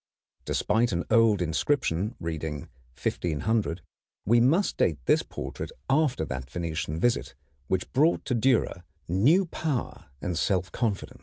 Despite an old inscription reading 1500, we must date this portrait after that Venetian visit which brought to Dürer new power and self confidence.